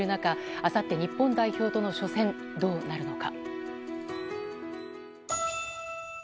あさって、日本代表との初戦どうなるのか。